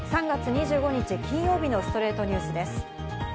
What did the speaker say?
３月２５日、金曜日の『ストレイトニュース』です。